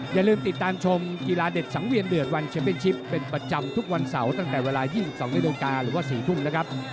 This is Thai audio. อย่าลืมติดตามชมกีฬาเด็กสังเวียนเดือดวันแชมเป็นชิปเป็นประจำทุกวันเสาร์ตั้งแต่เวลา๒๒นาฬิกาหรือว่า๔ทุ่มนะครับ